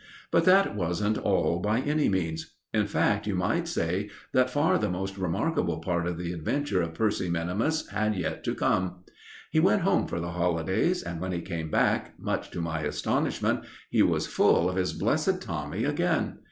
But that wasn't all by any means in fact, you might say that far the most remarkable part of the adventure of Percy minimus had yet to come. He went home for the holidays, and when he came back, much to my astonishment, he was full of his blessed Tommy again.